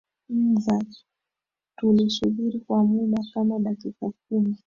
nza tulisubiri kwa mda kama dakika kumi